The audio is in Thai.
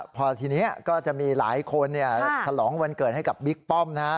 พอทีนี้ก็จะมีหลายคนฉลองวันเกิดให้กับบิ๊กป้อม